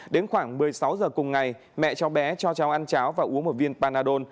đến khoảng một mươi sáu giờ cùng ngày mẹ cháu bé cho cháu ăn cháo và uống một viên panadon